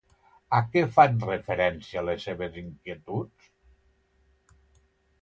A què fan referència les seves inquietuds?